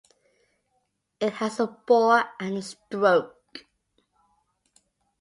It has a bore and a stroke.